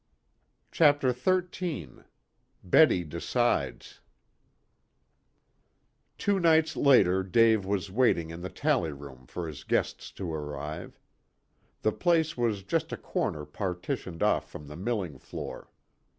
CHAPTER XIII BETTY DECIDES Two nights later Dave was waiting in the tally room for his guests to arrive. The place was just a corner partitioned off from the milling floor.